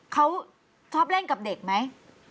เขาชอบเล่นกับเด็กไหม